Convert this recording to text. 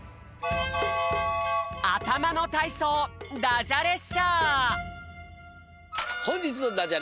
あたまのたいそうダジャ列車ほんじつのダジャ